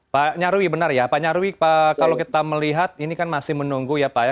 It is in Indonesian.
pak nyarwi benar ya pak nyarwi kalau kita melihat ini kan masih menunggu ya pak ya